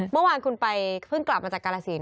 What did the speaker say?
เมื่อวานคุณไปเพิ่งกลับมาจากกาลสิน